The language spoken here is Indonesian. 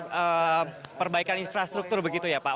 nah tadi selain perbaikan infrastruktur begitu ya pak